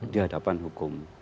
di hadapan hukum